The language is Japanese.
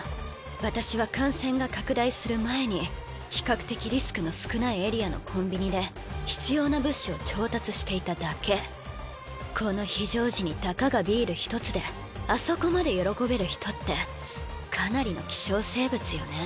私は感染が拡大する前に比較的リスクの少ないエリアのコンビニで必要な物資を調達していただけこの非常時にたかがビール１つであそこまで喜べる人ってかなりの希少生物よね